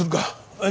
はい。